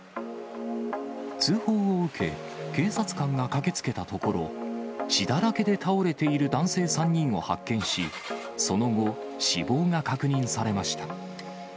通報を受け、警察官が駆けつけたところ、血だらけで倒れている男性３人を発見し、その後、死亡が確認されました。